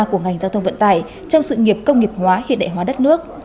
của ngành giao thông vận tải trong sự nghiệp công nghiệp hóa hiện đại hóa đất nước